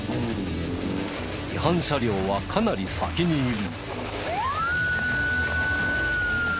違反車両はかなり先にいる。